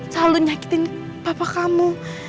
selalu nyakitin papa kamu